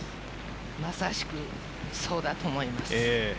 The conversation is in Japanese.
まさしくそうだと思います。